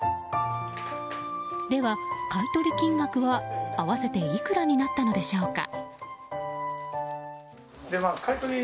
では、買い取り金額は合わせていくらになったのでしょうか。